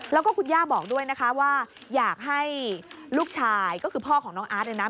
แล้วก็คุณย่าบอกด้วยนะคะว่าอยากให้ลูกชายก็คือพ่อของน้องอาร์ตเนี่ยนะ